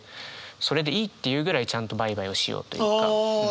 それでいいっていうぐらいちゃんとバイバイをしようというか。